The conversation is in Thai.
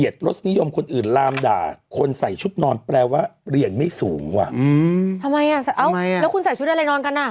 แล้วคุณใส่ชุดอะไรนอนกันอ่ะ